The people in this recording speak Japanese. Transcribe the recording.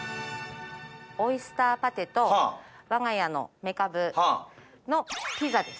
オイスターパテとわが家のメカブのピザです。